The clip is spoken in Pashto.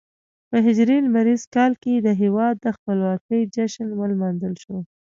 په هجري لمریز کال کې د هېواد د خپلواکۍ جشن ولمانځل شو.